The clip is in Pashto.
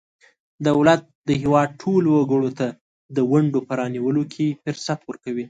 دولت د هیواد ټولو وګړو ته د ونډو په رانیولو کې فرصت ورکوي.